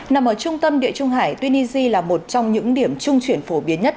nằm ở trung tâm địa trung hải tunisia là một trong những điểm trung chuyển phổ biến nhất